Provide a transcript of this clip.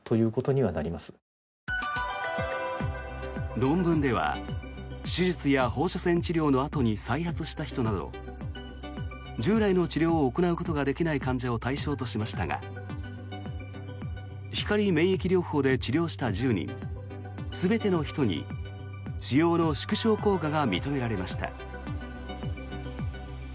論文では手術や放射線治療のあとに再発した人など従来の治療を行うことができない患者を対象としましたが光免疫療法で治療した１０人全ての人に腫瘍の縮小効果が認められました。